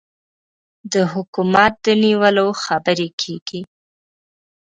د حکومت د نیولو خبرې کېږي.